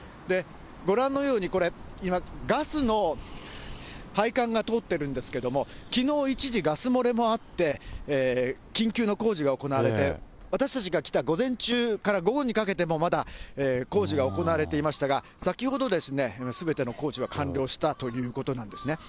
ご覧のように、これ、今、ガスの配管が通ってるんですけども、きのう一時、ガス漏れもあって、緊急の工事が行われて、私たちが来た午前中から午後にかけても、まだ工事が行われていましたが、先ほど、すべての工事が完了したということなんですね。